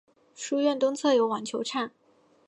书院东侧有网球场。